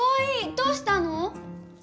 どうしたの？